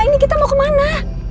ini kita mau kemana